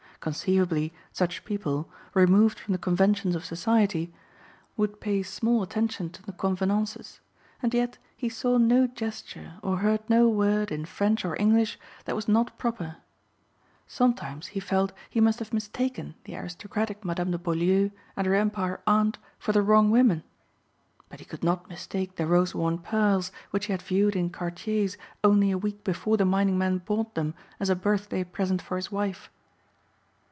Conceivably such people, removed from the conventions of society, would pay small attention to the convenances and yet he saw no gesture or heard no word in French or English that was not proper. Sometimes he felt he must have mistaken the aristocratic Madame de Beaulieu and her Empire aunt for the wrong women. But he could not mistake the Rosewarne pearls which he had viewed in Cartier's only a week before the mining man bought them as a birthday present for his wife.